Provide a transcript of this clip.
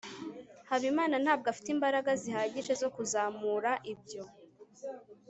habimana ntabwo afite imbaraga zihagije zo kuzamura ibyo